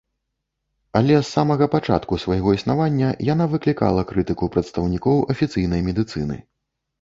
Але з самага пачатку свайго існавання яна выклікала крытыку прадстаўнікоў афіцыйнай медыцыны.